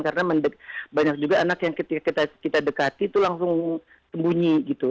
karena banyak juga anak yang kita dekati tuh langsung sembunyi gitu